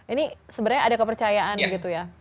ini sebenarnya ada kepercayaan gitu ya